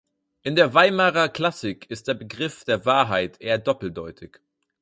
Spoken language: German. In der Weimarer Klassik ist der Begriff der Wahrheit eher doppeldeutig.